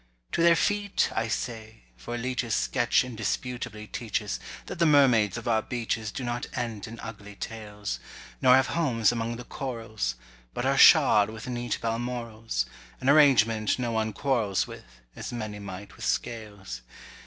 "To their feet," I say, for Leech's sketch indisputably teaches That the mermaids of our beaches do not end in ugly tails, Nor have homes among the corals; but are shod with neat balmorals, An arrangement no one quarrels with, as many might with scales.